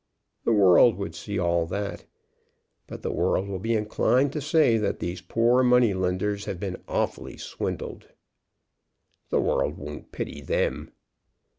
The world would see all that. But the world will be inclined to say that these poor money lenders have been awfully swindled." "The world won't pity them."